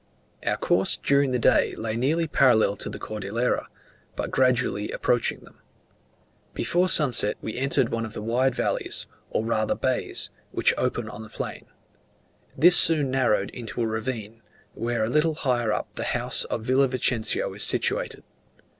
Our course during the day lay nearly parallel to the Cordillera, but gradually approaching them. Before sunset we entered one of the wide valleys, or rather bays, which open on the plain: this soon narrowed into a ravine, where a little higher up the house of Villa Vicencio is situated.